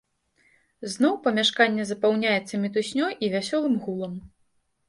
Зноў памяшканне запаўняецца мітуснёй і вясёлым гулам.